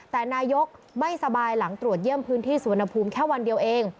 แต่นายกไม่สบายหลังตรวจเยี่ยมพื้นที่สุวรรณภูมิแค่วันเดียวเอง